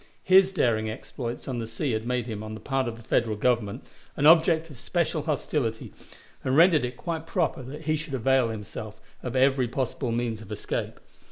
His daring exploits on the sea had made him, on the part of the Federal Government, an object of special hostility, and rendered it quite proper that he should avail himself of every possible means of escape.